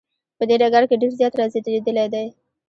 په دې ډګر کې ډیر زیات را ځلیدلی دی.